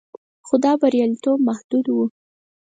خو دا بریالیتوب محدود و